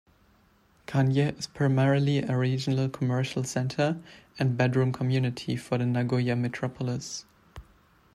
Kanie is primarily a regional commercial center and bedroom community for the Nagoya metropolis.